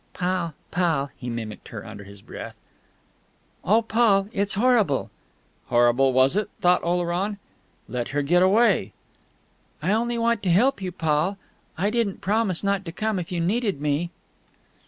"Paul!... Paul!..." He mimicked her under his breath. "Oh, Paul, it's horrible!..." Horrible, was it? thought Oleron. Then let her get away.... "I only want to help you, Paul.... I didn't promise not to come if you needed me...."